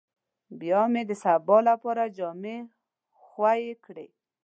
بيا مې د سبا لپاره جامې خويې کړې.